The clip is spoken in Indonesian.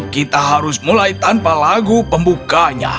kita harus mulai tanpa lagu pembukanya